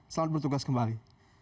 selamat bertugas kembali